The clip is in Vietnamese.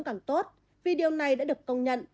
càng tốt video này đã được công nhận